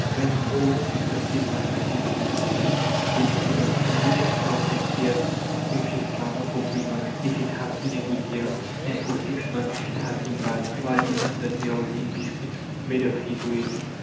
Then, in order to sustain life until the next harvest, he mixes birch bark and tares with his flour for three months, if it has been a good year, and for six months if it has been bad, while in London they are eating biscuits made of his wheat.